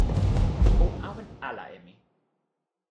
o awen ala e mi!